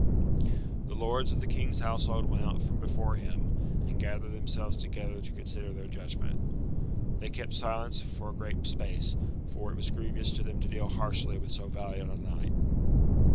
'" The lords of the King's household went out from before him, and gathered themselves together to consider their judgment. They kept silence for a great space, for it was grievous to them to deal harshly with so valiant a knight.